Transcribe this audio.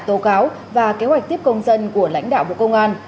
tố cáo và kế hoạch tiếp công dân của lãnh đạo bộ công an